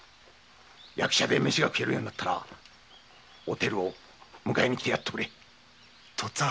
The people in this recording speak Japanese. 役者で飯が食えるようになったらおてるを迎えにきてやっとくれ。とっつぁん！